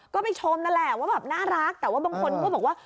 ก็ไปชมนั่นแหละว่าแบบน่ารักแต่ว่าบางคนก็บอกว่า